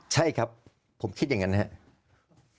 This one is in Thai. ใช่ครับผมคิดอย่างนั้นนะครับ